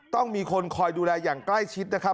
ต้องมีคนคอยดูแลอย่างใกล้ชิดนะครับ